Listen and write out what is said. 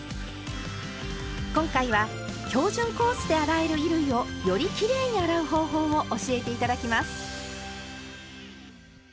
今回は「標準コースで洗える衣類」をよりきれいに洗う方法を教えて頂きます。